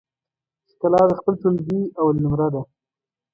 ښکلا د خپل ټولګي اول نمره ده